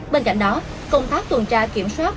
bên cạnh đó công tác tuần tra kiểm soát